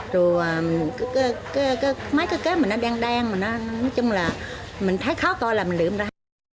rồi mấy cái kéo mình nó đen đen nói chung là mình thấy khó coi là mình lượm ra